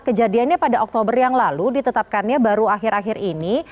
kejadiannya pada oktober yang lalu ditetapkannya baru akhir akhir ini